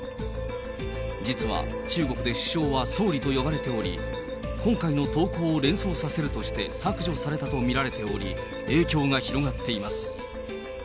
実は中国で首相は総理と呼ばれており、今回の投稿を連想させるとして、削除されたと見られており、影響が広がっています。